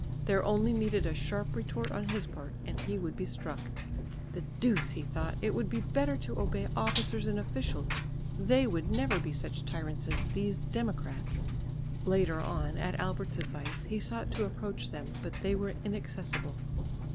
There only needed a sharp retort on his part, and he would be struck. "The deuce!" he thought, "it would be better to obey officers and officials; they would never be such tyrants as these democrats." Later on, at Albert's advice, he sought to approach them, but they were inaccessible.